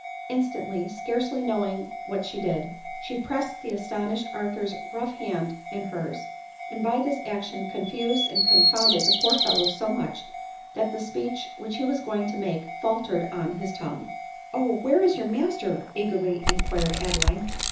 • Instantly, scarcely knowing what she did, she pressed the astonished Arthur's rough hand in her's ; and bythis action confused and confounded the poor fellow so much, that the speech which he was going to make faltered a% his tongue. ADELINE MOWBRAY. 73 " Oh ! where is your master ?" eagerly inquired Adeline.